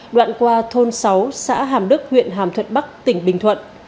đoạn qua thôn sáu xã hàm đức huyện hàm thuận bắc tỉnh bình thuận